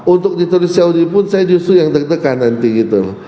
untuk ditulis yahudi pun saya justru yang deg degan nanti gitu